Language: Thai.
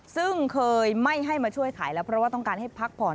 ซึ่งเคยไม่ให้มาช่วยขายแล้วเพราะว่าต้องการให้พักผ่อน